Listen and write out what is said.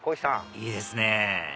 いいですね